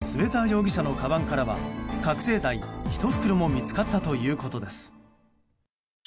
末澤容疑者のかばんからは覚醒剤１袋も見つかったということです。